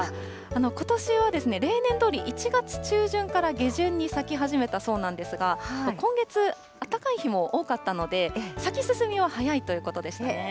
ことしは例年どおり、１月中旬から下旬に咲き始めたそうなんですが、今月、あったかい日も多かったので、咲き進みも早いということでしたね。